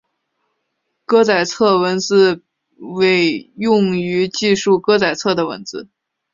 歌仔册文字为用于记述歌仔册的汉字。